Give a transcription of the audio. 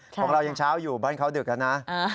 ของเรายังเช้าอยู่บ้านเขาดึกนะ